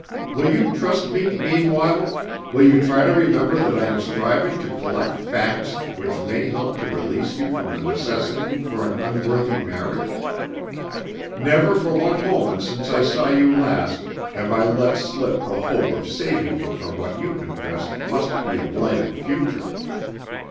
Will you trust me meanwhile will you try to remember that I am striving to collect facts which may help to release you from the necessity for an unworthy marriage? Never for one moment since I saw you last have I let slip the hope of saving you from what you confessed must be a blighted future.